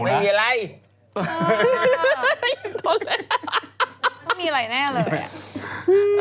มันไม่ต้องมีอะไรแน่เลย